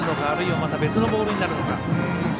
あるいはまた別のボールになるのか。